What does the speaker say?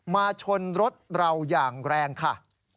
มาชนรถเราอย่างแรงค่ะ